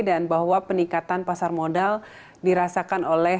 dan bahwa peningkatan pasar modal dirasakan oleh